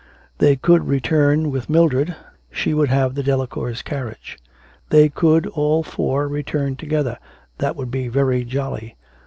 They could return with Mildred she would have the Delacours' carriage. They could all four return together, that would be very jolly.